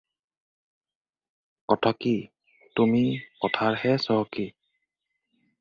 কথকি, তুমি কথাৰহে চহকি